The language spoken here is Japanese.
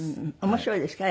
面白いですか？